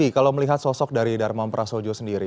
pak fabi kalau melihat sosok dari darmawan prasodyo sendiri